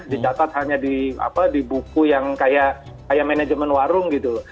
dicatat hanya di buku yang kayak manajemen warung gitu loh